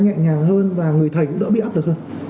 nhẹ nhàng hơn và người thầy cũng đỡ bị ấp được hơn